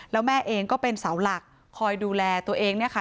แล้วแม่เองก็เป็นเสาหลักคอยดูแลตัวเองเนี่ยค่ะ